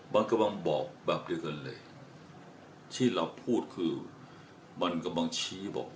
มันกำลังบอกแบบเดียวกันเลยที่เราพูดคือมันกำลังชี้บอก